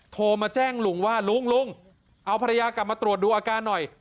โทรมาแจ้งลุงว่าลุงลุงเอาภรรยากลับมาตรวจดูอาการหน่อย